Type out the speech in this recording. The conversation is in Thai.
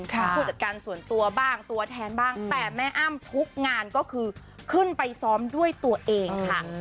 ผู้จัดการส่วนตัวบ้างตัวแทนบ้างแต่แม่อ้ำทุกงานก็คือขึ้นไปซ้อมด้วยตัวเองค่ะ